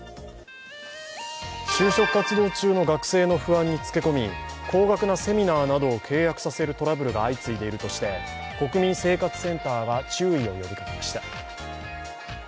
就職活動中の学生の不安につけ込み、高額なセミナーなどを契約させるトラブルが相次いでいるとして、国民生活センターが注意を呼びかけました。